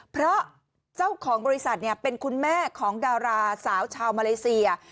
เพราะเจ้าของบริษัทเป็นคุณแม่ของดาราสาวชาวมาเลเซีย